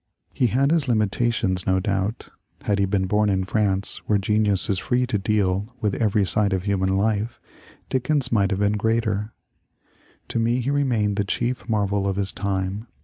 He had his lin^itations, no doubt ; had he been bom in France, where genius is free to deal with every side of human life, Dickens might have been greater. To me he remained the chief marvel of his time.